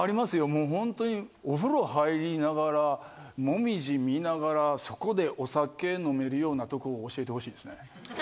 もうホントにお風呂入りながらもみじ見ながらそこでお酒飲めるようなとこを教えてほしいですね。